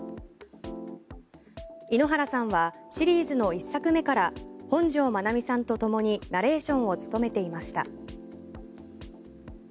井ノ原さんはシリーズの１作目から本上まなみさんとともにナレーションを務めていました。